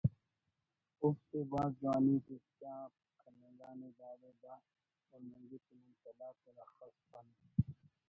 اوفتے بھاز جوانی ٹی چھاپ کننگانے داڑے دا ہُننگے کہ نن ”تلار“ تون اخس پند